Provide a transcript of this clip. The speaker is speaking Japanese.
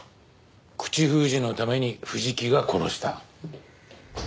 口封じのために藤木が殺した。